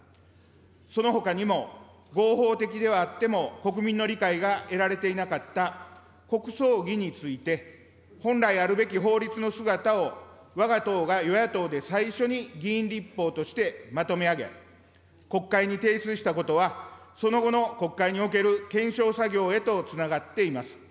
そのほかにも、合法的ではあっても国民の理解が得られていなかった国葬儀について、本来あるべき法律の姿をわが党が与野党で最初に議員立法としてまとめ上げ、国会に提出したことは、その後の国会における検証作業へとつながっています。